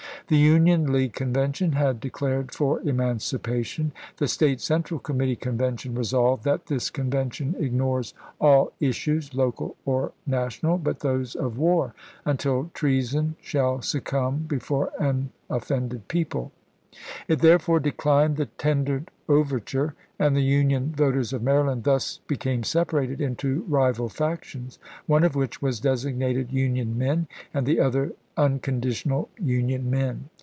The Union League Convention had de clared for emancipation; the State Central Com mittee Convention resolved " that this Convention ignores all issues, local or national, but those of AmerSn!" ^^^'? uutil trcasou shall succumb before an offended '^'i863^''' people." It therefore declined the tendered over ture, and the Union voters of Maryland thus be came separated into rival factions, one of which was designated " Union Men," and the other " Un conditional Union Men."